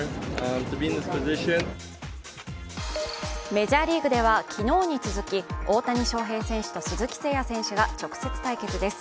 メジャーリーグでは昨日に続き、大谷翔平選手と鈴木誠也選手が直接対決です。